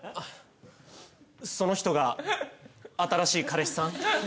その人が新しい彼氏さん？